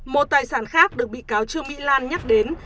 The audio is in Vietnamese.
một tài sản khác được bị cáo trương mỹ lan nhắc đến